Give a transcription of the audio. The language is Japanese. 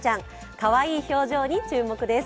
かわいい表情に注目です。